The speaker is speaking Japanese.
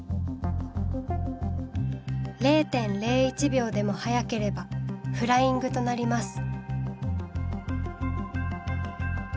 ０．０１秒でも早ければフライングとなります。